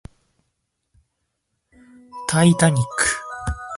Titanic.